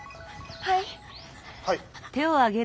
はい。